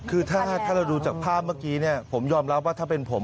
คือถ้าเราดูจากภาพเมื่อกี้ผมยอมรับว่าถ้าเป็นผม